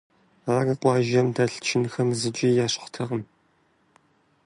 Ар къуажэм дэлъ чынхэм зыкӀи ещхьтэкъым.